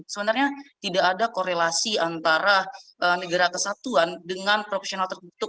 sebenarnya tidak ada korelasi antara negara kesatuan dengan profesional tertutup